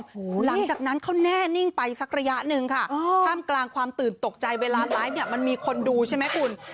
หลังจากนั้นเขาแน่นิ่งไปสักระยะหนึ่งค่ะท่ามกลางความตื่นตกใจเวลาไลฟ์เนี่ยมันมีคนดูใช่ไหมคุณ